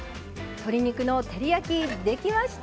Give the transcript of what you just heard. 鶏肉の照り焼きできました！